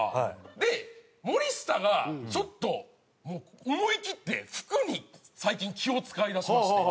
で森下がちょっと思いきって服に最近気を使いだしまして。